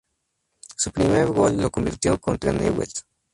Su primer gol lo convirtió contra Newell's.